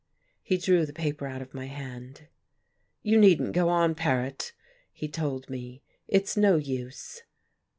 He drew the paper out of my hand. "You needn't go on, Paret," he told me. "It's no use."